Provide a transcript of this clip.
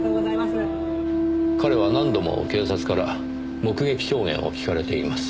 彼は何度も警察から目撃証言を聞かれています。